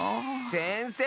せんせい！